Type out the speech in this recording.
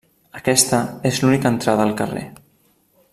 Aquesta és l'única entrada al carrer.